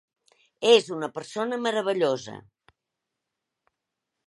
És una persona meravellosa.